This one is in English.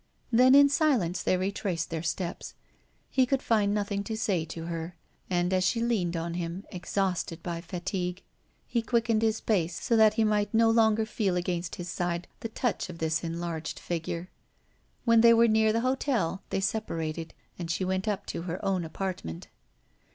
Then in silence they retraced their steps. He could find nothing to say to her; and, as she leaned on him, exhausted by fatigue, he quickened his pace so that he might no longer feel against his side the touch of this enlarged figure. When they were near the hotel, they separated, and she went up to her own apartment.